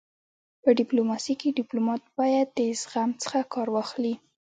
په ډيپلوماسی کي ډيپلومات باید د زغم څخه کار واخلي.